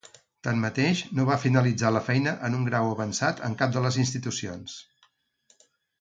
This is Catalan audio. Tanmateix, no va finalitzar la feina en un grau avançat en cap de les institucions.